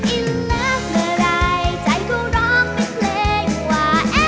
อินเลิฟเมื่อไรใจเขาร้องเป็นเพลงกว่า